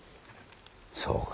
そうか。